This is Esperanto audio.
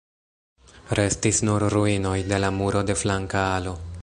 Restis nur ruinoj de la muro de flanka alo.